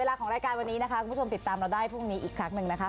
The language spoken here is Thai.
เวลาของรายการวันนี้คุณผู้ชมติดตามเราได้อีกครั้งนึงนะฮะ